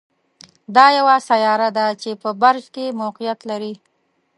دا یوه سیاره ده چې په برج کې موقعیت لري.